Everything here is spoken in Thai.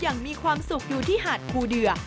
อย่างมีความสุขอยู่ที่หาดคูเดือ